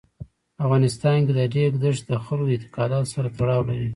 په افغانستان کې د ریګ دښتې د خلکو د اعتقاداتو سره تړاو لري.